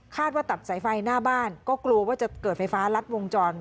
ว่าตัดสายไฟหน้าบ้านก็กลัวว่าจะเกิดไฟฟ้ารัดวงจร